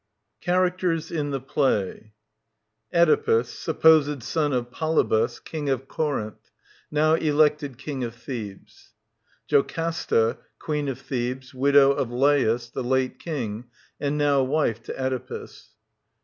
CHARACTERS IN THE PLAY Okdipus, supposed son of Polybus^ King of Corinth ; note elected King of TTubes. JOCASTA, Queen of Thebes ; widow of Lotus, the late King, and now wife to Oedipus.